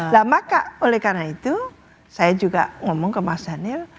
nah maka oleh karena itu saya juga ngomong ke mas daniel